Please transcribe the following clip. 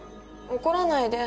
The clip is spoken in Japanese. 怒らないで。